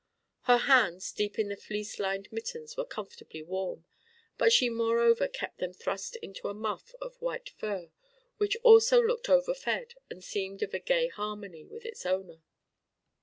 Her hands, deep in the fleece lined mittens, were comfortably warm; but she moreover kept them thrust into a muff of white fur, which also looked overfed and seemed of a gay harmony with its owner.